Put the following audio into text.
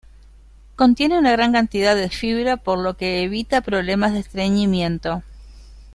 Contiene una gran cantidad de fibra por lo que evita problemas de estreñimiento.